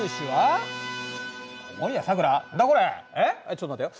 ちょっと待てよ。